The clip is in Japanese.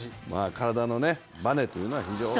体のバネというのは非常にいいです。